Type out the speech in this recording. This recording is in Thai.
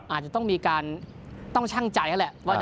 อาจจะต้องมีการต้องชั่งใจก็แหละ